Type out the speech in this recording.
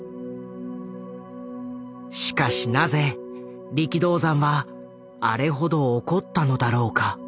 しかしなぜ力道山はあれほど怒ったのだろうか？